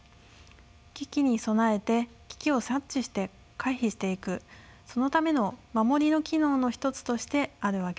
危機に備えて危機を察知して回避していくそのための守りの機能の一つとしてあるわけです。